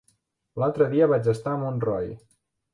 L'altre dia vaig estar a Montroi.